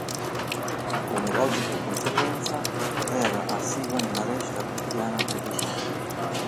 Come logica conseguenza, era assidua nella recita quotidiana del Rosario.